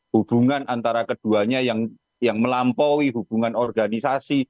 hubungan antara keduanya yang melampaui hubungan organisasi